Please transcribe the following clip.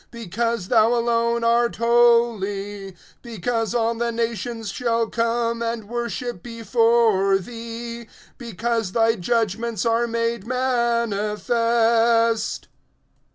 Because thou alone art holy; because all the nations shall come and worship before thee; because thy judgments are made manifest.